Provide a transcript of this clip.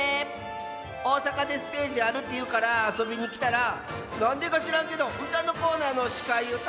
おおさかでステージあるっていうからあそびにきたらなんでかしらんけどうたのコーナーのしかいをたのまれてん。